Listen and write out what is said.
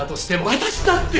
私だって！